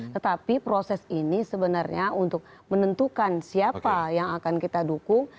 tetapi proses ini sebenarnya untuk menentukan siapa yang akan kita dukung